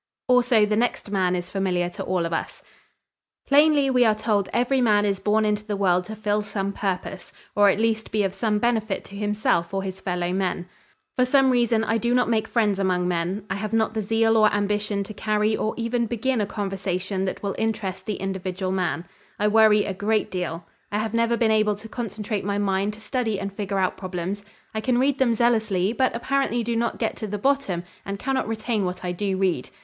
Also the next man is familiar to all of us. "Plainly we are told every man is born into the world to fill some purpose, or at least be of some benefit to himself or his fellowmen. For some reason I do not make friends among men. I have not the zeal or ambition to carry or even begin a conversation that will interest the individual man. I worry a great deal. I have never been able to concentrate my mind to study and figure out problems. I can read them zealously but apparently do not get to the bottom and cannot retain what I do read.